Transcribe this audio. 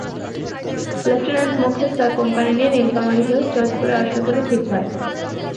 Lieutenant Mokhles তার company নিয়ে নীলফামারী হয়ে সৈয়দপুরে আসবে বলে ঠিক হয়।